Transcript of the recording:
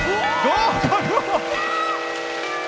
合格！